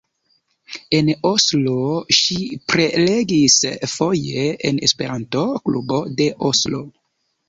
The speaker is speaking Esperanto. En Oslo ŝi prelegis foje en Esperanto-klubo de Oslo.